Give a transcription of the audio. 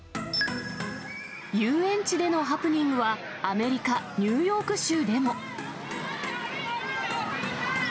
遊園地でのハプニングは、アメリカ・ニューヨーク州にも。